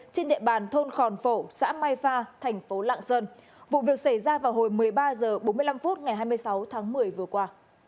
trên địa bàn thôn khòn phổ xã mai pha thành phố lạng sơn vụ việc xảy ra vào hồi một mươi ba h bốn mươi năm phút ngày hai mươi sáu tháng một mươi vừa qua